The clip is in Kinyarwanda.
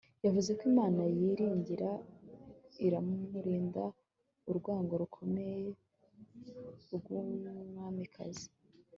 yavuze ko Imana yiringira iramurinda urwango rukomeye rwumwamikazi